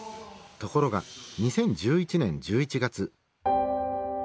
ところが２０１１年１１月。